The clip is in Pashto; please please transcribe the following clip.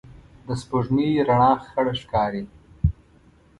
د سپوږمۍ رڼا خړه ښکاري